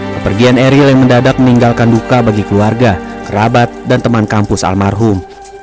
kepergian eril yang mendadak meninggalkan duka bagi keluarga kerabat dan teman kampus almarhum